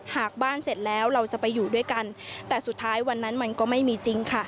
หากบ้านเสร็จแล้วเราจะไปอยู่ด้วยกันแต่สุดท้ายวันนั้นมันก็ไม่มีจริงค่ะ